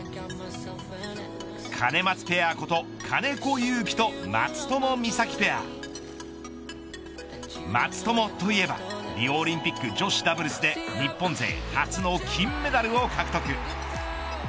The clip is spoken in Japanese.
カネマツペアこと、金子祐樹と松友美佐紀ペアマツトモといえばリオオリンピック女子ダブルスで、日本勢初の金メダルを獲得。